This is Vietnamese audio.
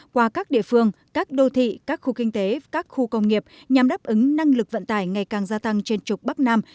qua các địa phương các đô thị các khu kinh tế các khu công nghiệp nhằm đáp ứng năng lực vận tải ngày càng gia tăng trên trục bắc nam